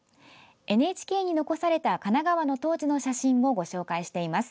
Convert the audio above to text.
ＮＨＫに残された、神奈川の当時の写真をご紹介しています。